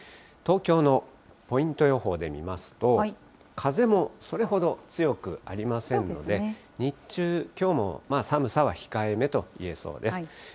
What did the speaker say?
東京のポイント予報で見ますと、風もそれほど強くありませんので、日中、きょうも寒さは控えめといえそうです。